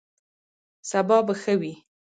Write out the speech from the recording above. سبا به ښه وي